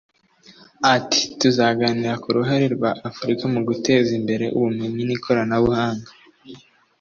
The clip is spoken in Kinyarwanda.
Ati “Tuzaganira ku ruhare rwa Afurika mu guteza imbere ubumenyi n’ikoranabuhanga